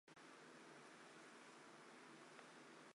二歧银莲花是毛茛科银莲花属的植物。